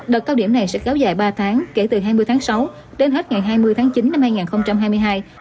đợt cao điểm này sẽ kéo dài ba tháng kể từ hai mươi tháng sáu đến hết ngày hai mươi tháng chín năm hai nghìn hai mươi hai